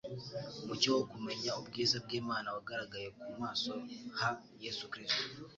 Umucyo wo «kumenya ubwiza bw'Imana » wagaragaye mu maso ha Yesu Kristo.